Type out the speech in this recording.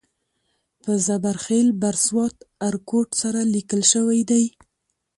په زبر خېل بر سوات ارکوټ سره لیکل شوی دی.